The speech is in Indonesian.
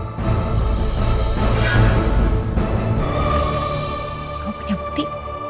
kamu punya bukti